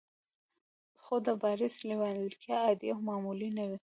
خو د بارنس لېوالتیا عادي او معمولي نه وه.